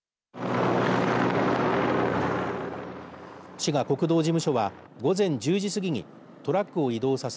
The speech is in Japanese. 滋賀国道事務所は午前１０時過ぎにトラックを移動させ